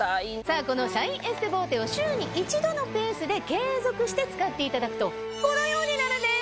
このシャインエステボーテを週に１度のペースで継続して使っていただくとこのようになるんです！